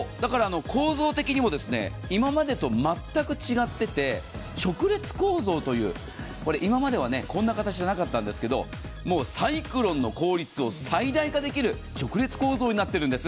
構造的にも今までと全く違ってて直列構造という、今まではこんな形じゃなかったんですけど、サイクロンの効率を最大化できる直列構造になっているんです。